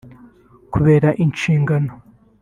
kubera inshingano